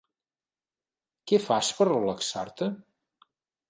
Què fas per relaxar-te?